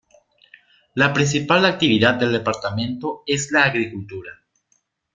La principal actividad del departamento es la agricultura.